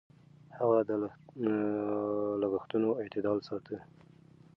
هغه د لګښتونو اعتدال ساته.